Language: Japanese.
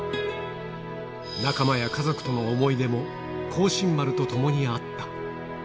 仲間や家族との思い出も光進丸と共にあった。